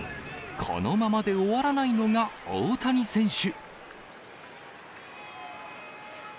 このままで終わらないのが大谷選手。